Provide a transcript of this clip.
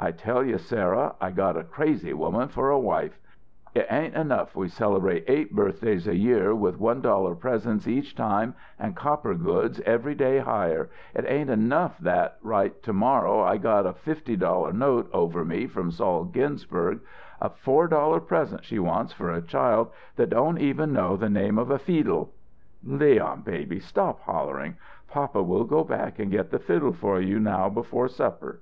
"I tell you, Sarah, I got a crazy woman for a wife! It ain't enough we celebrate eight birthdays a year with one dollar presents each time and copper goods every day higher. It ain't enough that right to morrow I got a fifty dollar note over me from Sol Ginsberg a four dollar present she wants for a child that don't even know the name of a feedle!" "Leon baby, stop hollering papa will go back and get the fiddle for you now before supper.